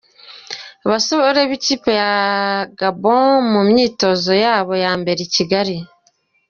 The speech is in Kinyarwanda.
Abasore b’ikipe ya Gabon mu myitozo yabo ya mbere i Kigali.